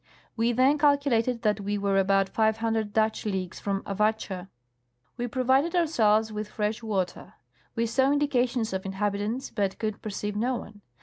We then calculated that we were about five hundred Dutch leagues from Avatscha. We pro vided ourselves with fresh water. We saw indications of inhabitants, but could perceive no one.